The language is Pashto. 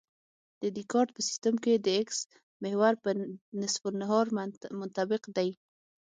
د دیکارت په سیستم کې د اکس محور په نصف النهار منطبق دی